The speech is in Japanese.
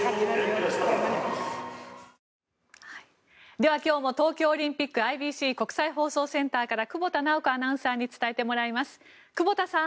では今日も東京オリンピックＩＢＣ・国際放送センターから久保田直子アナウンサーに伝えてもらいます、久保田さん。